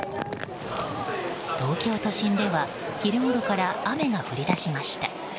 東京都心では昼ごろから雨が降り出しました。